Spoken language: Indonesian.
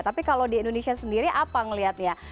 tapi kalau di indonesia sendiri apa ngelihat ya